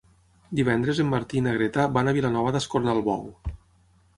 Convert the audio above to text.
Divendres en Martí i na Greta van a Vilanova d'Escornalbou.